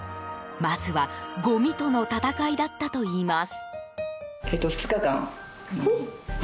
まずは、ごみとの戦いだったといいます。